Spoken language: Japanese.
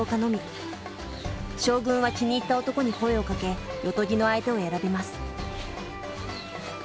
将軍は気に入った男に声をかけ夜伽の相手を選びます。